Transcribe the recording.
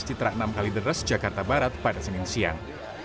citra enam kali deras jakarta barat pada senin siang